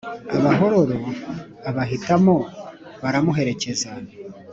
Abahororo abahitamo baramuherekeza